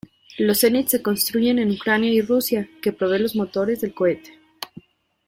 Los Zenit se construyen en Ucrania y Rusia, que provee los motores del cohete.